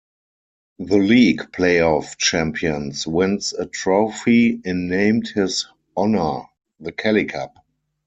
The league playoff champions wins a trophy in named his honor, the Kelly Cup.